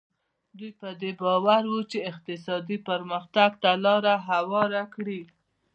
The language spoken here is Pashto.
دوی په دې باور وو چې اقتصادي پرمختګ ته لار هواره کړي.